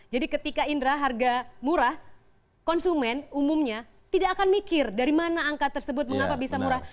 jadi ketika indra harga murah konsumen umumnya tidak akan mikir dari mana angka tersebut mengapa bisa murah